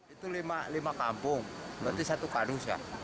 itu lima kampung berarti satu kadus lah